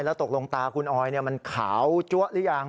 แล้วตกลงตาคุณออยมันขาวจั๊วหรือยัง